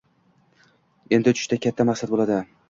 endi uchishda katta maqsad bo‘ladi!»